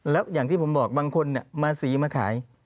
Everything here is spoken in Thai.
แล้วอย่างที่ผมบอกบางคนมาสีมาขาย